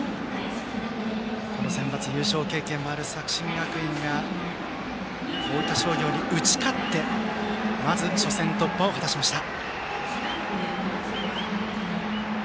センバツ優勝経験もある作新学院が大分商業に打ち勝ってまず初戦突破を果たしました。